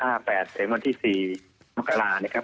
เห็นวันที่๔มกรานะครับ